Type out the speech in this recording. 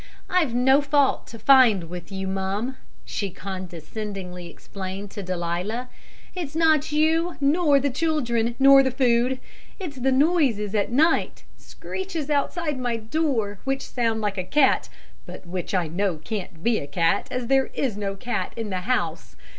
'I've no fault to find with you, mum,' she condescendingly explained to Delia. 'It's not you, nor the children, nor the food. It's the noises at night screeches outside my door, which sound like a cat, but which I know can't be a cat, as there is no cat in the house.